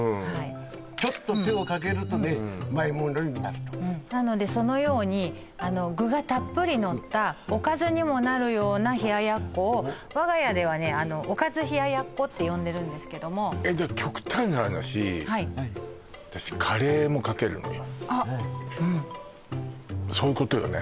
ちょっと手をかけるとねうまいものになるとなのでそのように具がたっぷりのったおかずにもなるような冷奴を我が家ではねおかず冷奴って呼んでるんですけども極端な話はい私カレーもかけるのよあっうんそういうことよね？